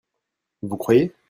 Vous croyez ?